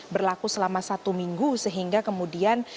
berlaku selama satu minggu sehingga kemudian